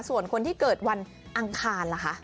ส่วนคนที่เกิดวันอังคารล่ะคะ